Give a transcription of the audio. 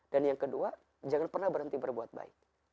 dan yang kedua jangan pernah berhenti berbuat baik